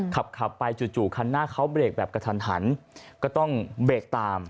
ขับไปจู่คันหน้าเขาเบรกแบบกระทันหันก็ต้องเบรกตาม